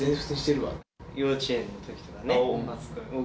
幼稚園のときとかね、初恋。